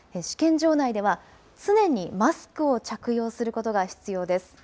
試験場内では、常にマスクを着用することが必要です。